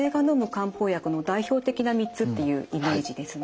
漢方薬の代表的な３つっていうイメージですね。